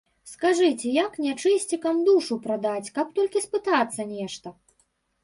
Скажыце, як нячысцікам душу прадаць, каб толькі спытацца нешта?